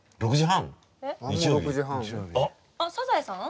あっ「サザエさん」？